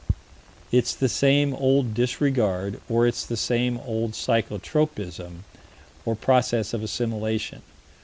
It's the same old disregard, or it's the same old psycho tropism, or process of assimilation.